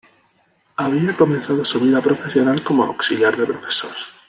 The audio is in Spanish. Había comenzado su vida profesional como auxiliar de profesor.